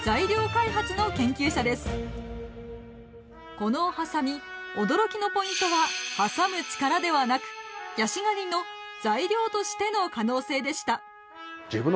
このハサミ驚きのポイントは「挟む力」ではなくヤシガニの「材料」としての可能性でした。